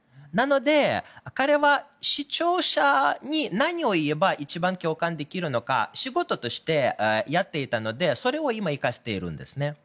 なので、彼は視聴者に何を言えば一番共感できるのか仕事としてやっていたのでそれを今、生かしているんですね。